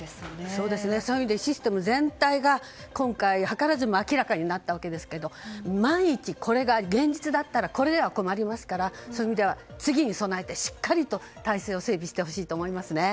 そういう意味でシステム全体が今回図らずとも明らかになったわけですが万が一、これが現実だったらこれでは困りますからそういう意味では次に備えて体制を整備してほしいと思いますね。